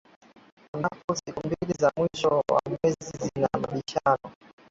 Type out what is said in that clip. Ambapo siku mbili za mwisho wa mwezi zina mabishano